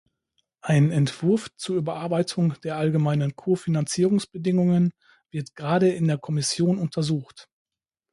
Ein Entwurf zur Überarbeitung der allgemeinen Ko-Finanzierungsbedingungen wird gerade in der Kommission untersucht.